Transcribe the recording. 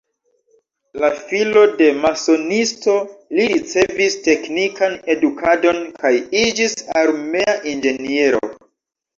La filo de masonisto, li ricevis teknikan edukadon kaj iĝis armea inĝeniero.